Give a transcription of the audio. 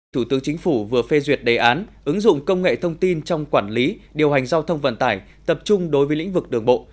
thủ tướng chính phủ vừa phê duyệt đề án ứng dụng công nghệ thông tin trong quản lý điều hành giao thông vận tải tập trung đối với lĩnh vực đường bộ